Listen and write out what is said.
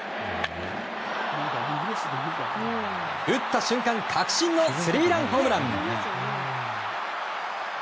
打った瞬間、確信のスリーランホームラン！